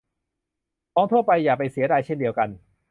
ของทั่วไปก็อย่าไปเสียดายเช่นเดียวกัน